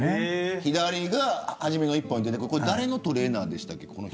左がはじめの一歩に出てくる誰のトレーナーでしたっけ。